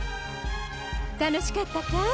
楽しかったかい？